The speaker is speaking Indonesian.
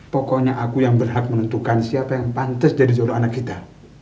pokoknya aku yang berhak menentukan siapa yang pantas dari seluruh anak kita